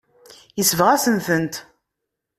Yesbeɣ-asen-tent.